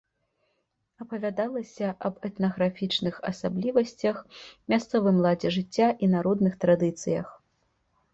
Апавядалася аб этнаграфічных асаблівасцях, мясцовым ладзе жыцця і народных традыцыях.